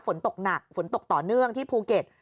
ฝนตกหนักฝนตกต่อเนื่องที่ภูเก็ต